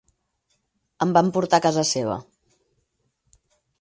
Em van portar a casa seva.